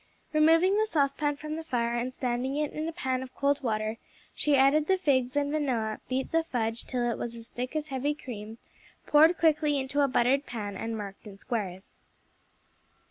Removing the saucepan from the fire and standing it in a pan of cold water, she added the figs and vanilla, beat the fudge till it was as thick as heavy cream, poured quickly into a buttered pan and marked in squares.